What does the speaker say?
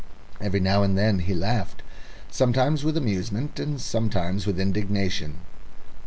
Every now and then he laughed, sometimes with amusement, and sometimes with indignation.